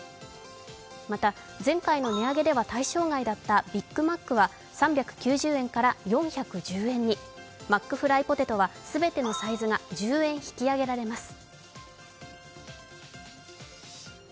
また前回の値上げでは対象外だったビッグマックは３９０円から４１０円に、マックフライポテトは全てのサイズが１０円引き上げられます。